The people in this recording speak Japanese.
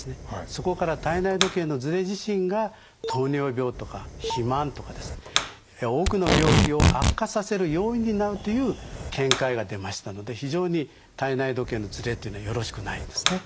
そこから体内時計のズレ自身が糖尿病とか肥満とか多くの病気を悪化させる要因になるという見解が出ましたので非常に体内時計のズレというのはよろしくないんですね。